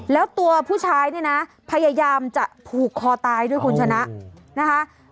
แล้วตัวผู้ชายพยายามจะผูกคอตายด้วยคุณฉเนภ